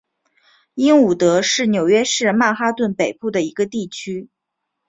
英伍德是纽约市曼哈顿北部的一个地区。